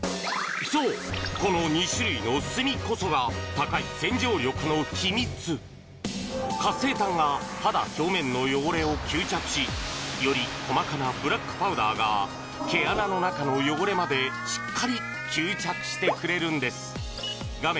そうこの２種類の炭こそが高い洗浄力の秘密活性炭が肌表面の汚れを吸着しより細かなブラックパウダーが毛穴の中の汚れまでしっかり吸着してくれるんです画面